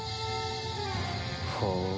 ほう。